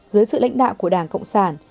dưới sự lãnh đạo của đảng cộng sản